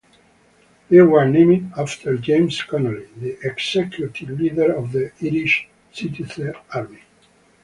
They were named after James Connolly, the executed leader of the Irish Citizen Army.